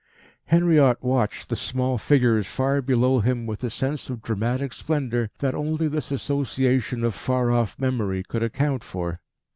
Henriot watched the small figures far below him with a sense of dramatic splendour that only this association of far off Memory could account for.